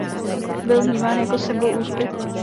Byl vnímán jako symbol úspěchu.